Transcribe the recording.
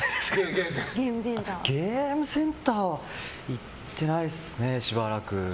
ゲームセンターは行ってないですね、しばらく。